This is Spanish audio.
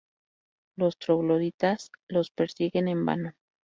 Los trogloditas los persiguen en vano.